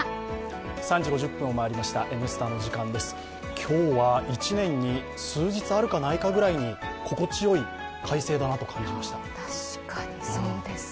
今日は１年に数日あるかないかぐらいに心地よい快晴だなと感じました。